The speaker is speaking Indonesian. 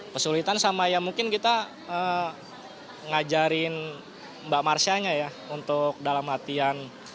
kesulitan sama ya mungkin kita ngajarin mbak marsha nya ya untuk dalam latihan